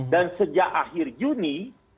dan sejak akhir juni dua ribu dua puluh satu